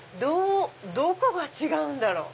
どこが違うんだろう？